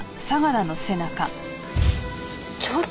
ちょっと！